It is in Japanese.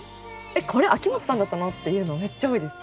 「これ秋元さんだったの？」っていうのめっちゃ多いです。